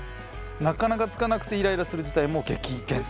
なかなかつかなくてイライラする事態も激減と。